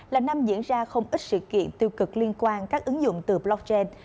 là năm diễn ra không ít sự kiện tiêu cực liên quan các ứng dụng từ blockchain